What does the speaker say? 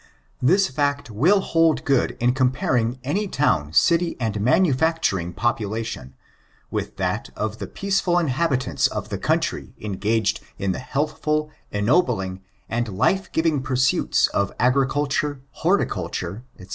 This fact will hold good in comparing any town, city, and manufacturing population, with that of the peaceful inhabitants of the country engaged in the healthful, ennobling, and life giving pursuits of agriculture, horti culture, &;c.